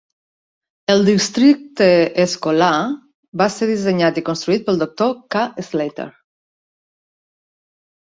El districte escolar va ser dissenyat i construït pel doctor K. Slater.